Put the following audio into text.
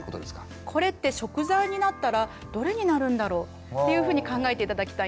これって食材になったらどれになるんだろっていうふうに考えて頂きたいんです。